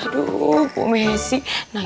jangan jangan jangan